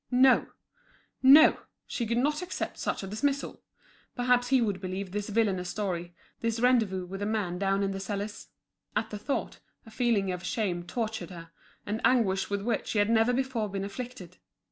No! no! she could not accept such a dismissal. Perhaps he would believe this villainous story, this rendezvous with a man down in the cellars. At the thought, a feeling of shame tortured her, an anguish with which she had never before been afflicted.